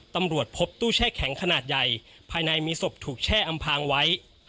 ตำรวจพบตู้แช่แข็งขนาดใหญ่ภายในมีศพถูกแช่อำพางไว้